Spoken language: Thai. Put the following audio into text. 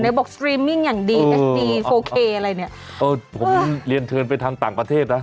ไหนบอกตรีมมิ้งอย่างดีนะโอเคอะไรเนี้ยเต้อผมเรียนเทิร์นไปทางต่างประเทศนะ